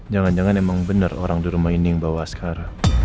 jangan jangan emang bener orang di rumah ini yang bawa sekarang